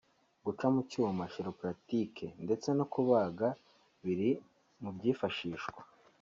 guca mu cyuma (chiropratiques) ndetse no kubaga biri mu byifashishwa